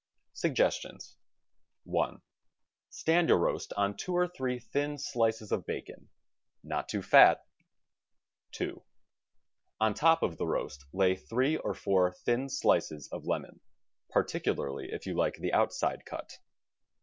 S.uffgestions: 1. Stand your roast on two or three thin slices of bacon — not too fat. 2. On the top of the roast lay three or four thin slices of lemon — particularly if you like the "outside cut."